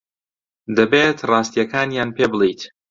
دەبێت ڕاستییەکانیان پێ بڵێیت.